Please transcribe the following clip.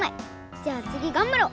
じゃあつぎがんばろう！